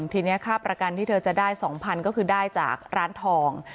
ทีนี้ค่าประกันที่เธอจะได้๒๐๐๐ก็คือได้จากร้านทอง